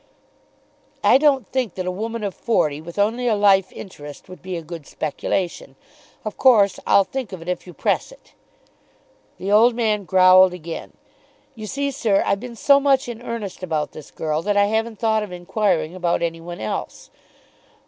"I don't think that a woman of forty with only a life interest would be a good speculation. Of course I'll think of it if you press it." The old man growled again. "You see, sir, I've been so much in earnest about this girl that I haven't thought of inquiring about any one else.